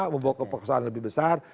mau bawa keperluan lebih besar